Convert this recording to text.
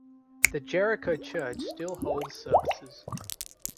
The Jerico church still holds services.